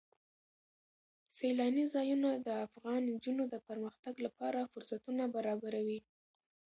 سیلانی ځایونه د افغان نجونو د پرمختګ لپاره فرصتونه برابروي.